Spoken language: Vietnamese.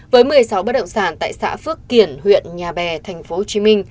với một mươi sáu bất động sản tại xã phước kiển huyện nhà bè tp hcm